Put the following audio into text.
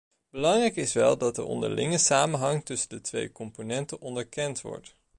Belangrijk is wel dat de onderlinge samenhang tussen deze twee componenten onderkend wordt.